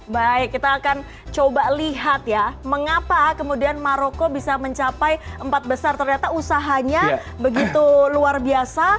baik kita akan coba lihat ya mengapa kemudian maroko bisa mencapai empat besar ternyata usahanya begitu luar biasa